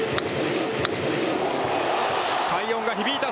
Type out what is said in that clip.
快音が響いた！